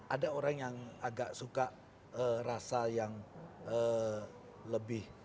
ada orang yang agak suka rasa yang lebih